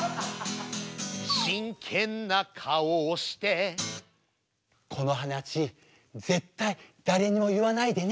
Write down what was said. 真剣な顔をしてこの話絶対誰にも言わないでね。